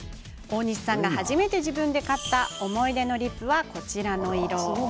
大西さんが初めて自分で買った思い出のリップは、こちらの色。